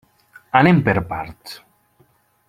Anem per parts.